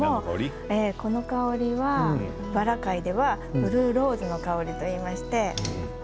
この香りはバラ界ではブルーローズの香りといいます。